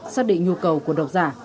xác định nhu cầu của độc giả